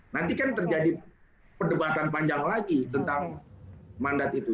nanti kan terjadi perdebatan panjang lagi tentang mandat itu